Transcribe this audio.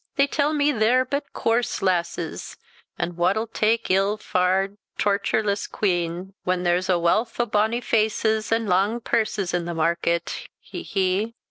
They tell me they're but coorse lasses: an' wha'll tak ill farred tocherless queans whan there's walth o' bonny faces an' lang purses i' the market he, he!"